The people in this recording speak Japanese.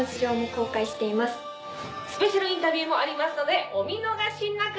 スペシャルインタビューもありますのでお見逃しなく！